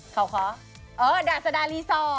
เขาค้อเออดาสดารีสอร์ต